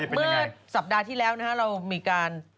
เมื่อสัปดาห์ที่แล้วนะฮะเรามีการ